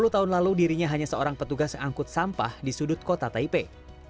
sepuluh tahun lalu dirinya hanya seorang petugas angkut sampah di sudut kota taipei